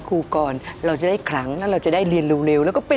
กรูผู้สืบสารล้านนารุ่นแรกแรกรุ่นเลยนะครับผม